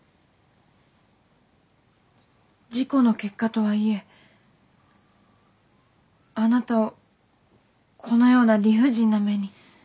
事故の結果とはいえあなたをこのような理不尽な目に。